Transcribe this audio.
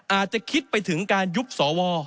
อาจจะคิดไปถึงการยุบสว